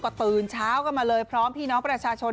ก็ตื่นเช้ากันมาเลยพร้อมพี่น้องประชาชน